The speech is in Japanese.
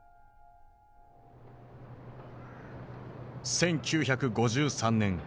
１９５３年。